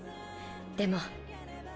でも。